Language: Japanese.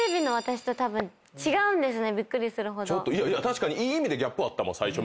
確かにいい意味でギャップあったもん最初見たとき。